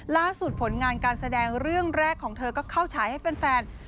ผลงานการแสดงเรื่องแรกของเธอก็เข้าฉายให้แฟน